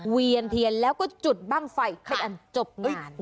เวียนเทียนแล้วก็จุดบ้างไฟเป็นอันจบงาน